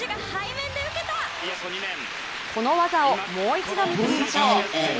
この技をもう一度見てみましょう。